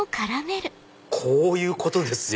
こういうことですよ。